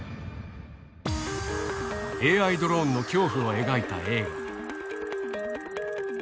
ＡＩドローンの恐怖を描いた映画。